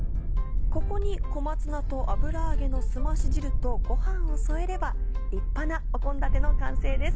ここに小松菜と油揚げのすまし汁とご飯を添えれば立派なお献立の完成です。